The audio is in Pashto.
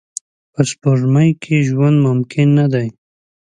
په سپوږمۍ کې ژوند ممکن نه دی